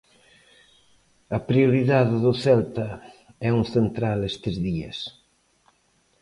A prioridade do Celta é un central estes días.